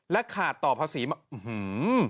ขาดต่อภาษีมาอื้อหือ